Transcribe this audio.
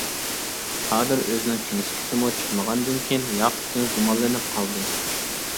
قادىر ئۆزىنىڭ كىنىشكىسىمۇ چىقمىغاندىن كىيىن ياقۇپتىن گۇمانلىنىپ قالدى.